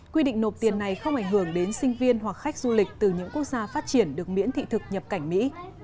quy định nộp tiền này không ảnh hưởng đến sinh viên hoặc khách du lịch từ những quốc gia phát triển được miễn thị thực nhập cảnh mỹ